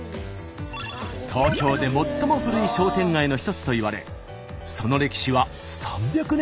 東京で最も古い商店街の一つといわれその歴史は３００年以上とも。